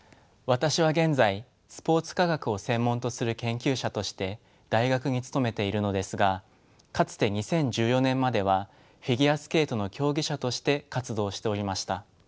私は現在スポーツ科学を専門とする研究者として大学に勤めているのですがかつて２０１４年まではフィギュアスケートの競技者として活動しておりました。